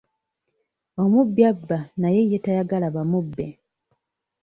Omubbi abba naye ye tayagala bamubbe.